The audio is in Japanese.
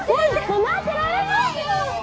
もう待ってられないよ